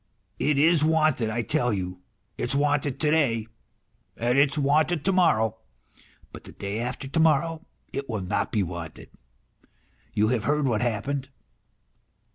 " It is wanted, I tell you ; it's wanted to day and it's wanted to m'orrow, but the day after to morrow it will not be wanted. You have heard what happened